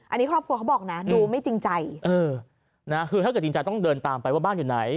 อันนี้ครอบครัวเขาบอกนะดูไม่จริงใจเออนะคือถ้าเกิดจริงใจต้องเดินตามไปว่าบ้านอยู่ไหน